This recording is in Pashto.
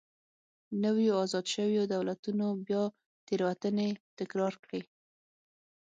نویو ازاد شویو دولتونو بیا تېروتنې تکرار کړې.